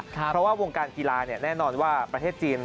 เพราะว่าวงการกีฬาแน่นอนว่าประเทศจีน